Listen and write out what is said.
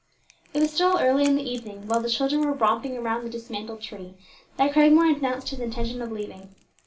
It was still early in the evening, while the children were romping around the dismantled tree, that Cragmore announced his intention of leaving.